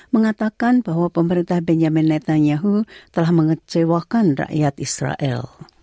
mengatakan bahwa pemerintah benjamin netanyahu telah mengecewakan rakyat israel